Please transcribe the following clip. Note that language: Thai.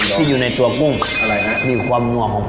ที่อยู่ในตัวกุ้ง